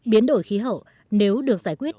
biến đổi khí hậu nếu được giải quyết